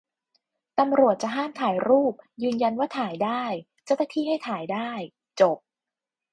ตำรวจจะห้ามถ่ายรูป ยืนยันว่าถ่ายได้ เจ้าหน้าที่ให้ถ่ายได้ จบ